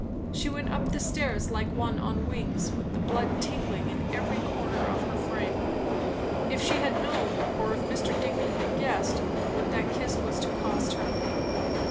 She went up stairs like one on wings, with the blood tingling in every corner of her frame. If she had known, or if Mr. Digby had guessed, what that kiss was to cost her.